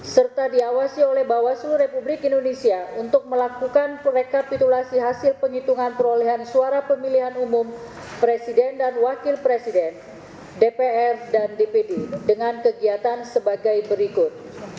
serta diawasi oleh bawaslu republik indonesia untuk melakukan rekapitulasi hasil penghitungan perolehan suara pemilihan umum presiden dan wakil presiden dpr dan dpd dengan kegiatan sebagai berikut